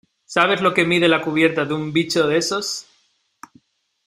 ¿ sabes lo que mide la cubierta de un bicho de esos?